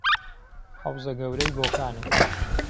حهوزه گهورهی بۆکانێ